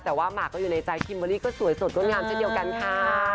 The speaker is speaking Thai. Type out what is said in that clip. แต่ว่าหมากก็อยู่ในใจคิมเบอร์รี่ก็สวยสดงดงามเช่นเดียวกันค่ะ